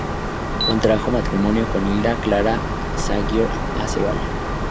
Contrajo matrimonio con Hilda Clara Saguier Aceval.